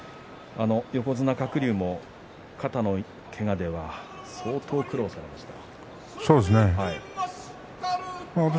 横綱鶴竜も肩のけがでは相当、苦労されました。